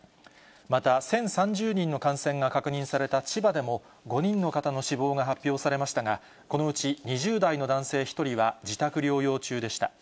また１０３０人の感染が確認された千葉でも５人の方の死亡が発表されましたが、このうち２０代の男性１人は自宅療養中でした。